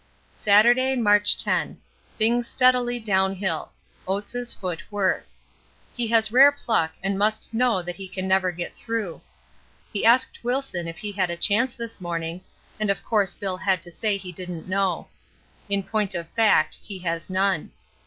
Saturday, March 10. Things steadily downhill. Oates' foot worse. He has rare pluck and must know that he can never get through. He asked Wilson if he had a chance this morning, and of course Bill had to say he didn't know. In point of fact he has none.